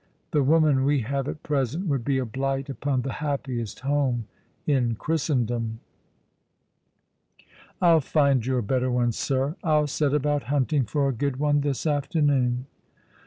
The woman we have at present would be a blight upon the happiest home in Christendom." "I'll find you a better one, sir. I'll set about hunting for a good one this afternoon."